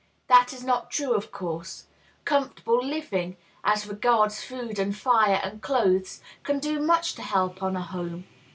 That is not true, of course; comfortable living, as regards food and fire and clothes, can do much to help on a home.